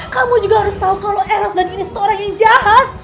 kamu juga harus tahu kalau eros dan ines itu orang yang jahat